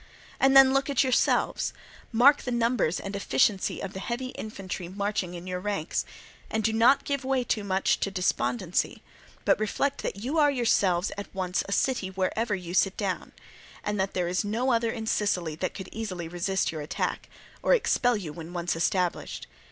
And then look at yourselves, mark the numbers and efficiency of the heavy infantry marching in your ranks, and do not give way too much to despondency, but reflect that you are yourselves at once a city wherever you sit down, and that there is no other in Sicily that could easily resist your attack, or expel you when once established.